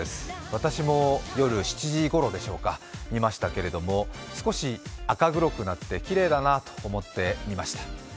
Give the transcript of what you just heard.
私も夜７時ごろでしょうか、見ましたけれども、少し赤黒くなってきれいだなと思って見ました。